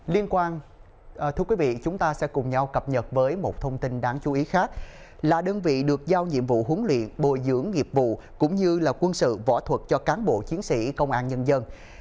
liên quan thưa quý vị chúng ta sẽ cùng nhau cập nhật với một thông tin đáng chú ý khác là đơn vị được giao nhiệm vụ huấn luyện bồi dưỡng nghiệp vụ cũng như là quân sự võ thuật cho cán bộ chiến sĩ công an nhân dân